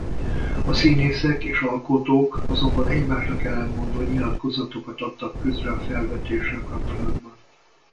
A színészek és alkotók azonban egymásnak ellentmondó nyilatkozatokat adtak közre a felvetéssel kapcsolatban.